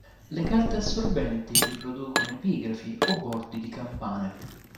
Le carte assorbenti riproducono epigrafi o bordi di campane.